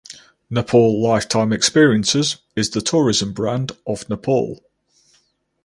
Nepal Lifetime Experiences is the tourism brand of Nepal.